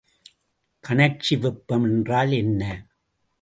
கனற்சி வெப்பம் என்றால் என்ன?